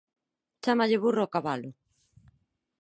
Chámalle burro ao cabalo!